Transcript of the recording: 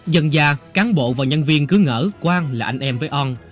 dần dà cán bộ và nhân viên cứ ngỡ quang là anh em với on